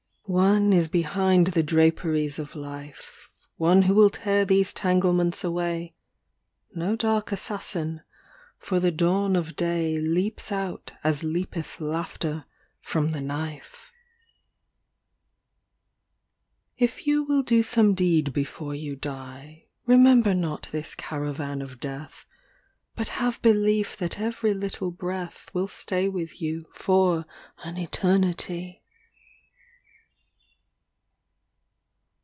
XLVI One is behind the draperies of life, One who will tear these tanglcments away ŌĆö No dark assassin, for the dawn of day Leaps out, as leapeth laughter, from the knife. XL VII If you will do some deed before you die, Remember not this caravan of death, But have belief that every little breath Will stay with you for an eternity.